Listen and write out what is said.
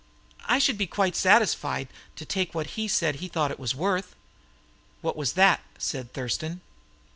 I should be quite satisfied to take what he said he thought it was worth." "What was that?" said Thurston.